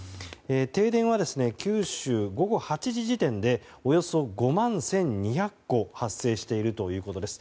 停電は九州、午後８時時点でおよそ５万１２００戸発生しているということです。